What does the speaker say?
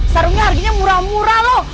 sarungnya harganya murah murah loh